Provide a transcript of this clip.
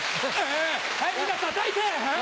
はいみんな叩いて！